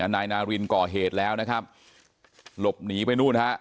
นายนารินก่อเหตุแล้วนะครับหลบหนีไปนู่นฮะ